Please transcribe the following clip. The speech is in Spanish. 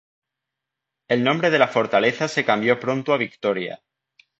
El nombre de la fortaleza se cambió pronto a Victoria.